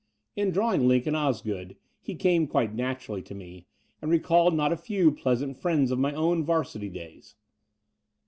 In drawing Lincoln Osgood, he came quite naturally to me, and recalled not a few pleas ant friends of my own Varsity days.